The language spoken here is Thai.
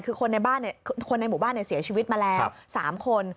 คือคนในหมู่บ้านเสียชีวิตมาแล้ว๓คน